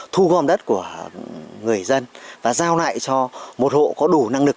thu gom đất của người dân và giao lại cho một hộ có đủ năng lực